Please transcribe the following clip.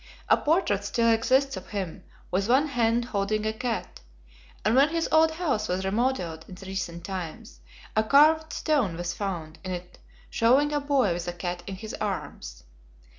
A portrait still exists of him, with one hand holding a cat, and when his old house was remodelled in recent times, a carved stone was found in it showing a boy with a cat in his arms.